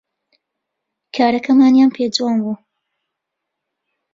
کارەکەمانیان پێ جوان بوو